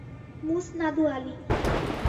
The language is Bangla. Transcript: মুসনাদু আলী